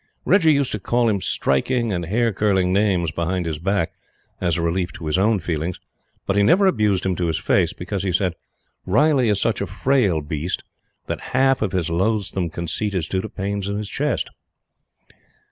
Reggie used to call him striking and hair curling names behind his back as a relief to his own feelings; but he never abused him to his face, because he said: "Riley is such a frail beast that half of his loathsome conceit is due to pains in the chest."